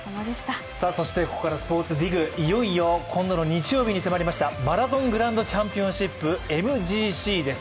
そしてここから「ｓｐｏｒｔｓＤＩＧ」。いよいよ今度の日曜日に迫りましたマラソングランドチャンピオンシップ＝ＭＧＣです。